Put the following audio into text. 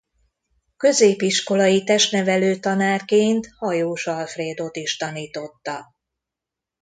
Középiskolai testnevelő tanárként Hajós Alfrédot is tanította.